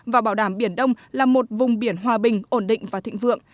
và bảo đảm biển đông là một vùng biển hòa bình ổn định và thịnh vượng